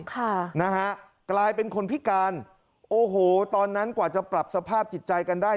ค่ะนะฮะกลายเป็นคนพิการโอ้โหตอนนั้นกว่าจะปรับสภาพจิตใจกันได้